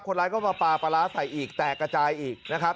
คนร้ายก็มาปลาปลาร้าใส่อีกแตกกระจายอีกนะครับ